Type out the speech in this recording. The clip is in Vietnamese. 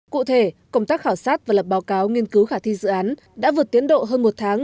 cụ thể công tác khảo sát và lập báo cáo nghiên cứu khả thi dự án đã vượt tiến độ hơn một tháng